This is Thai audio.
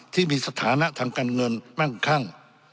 ที่มีสถานะทางการเงินมั่งคั่ง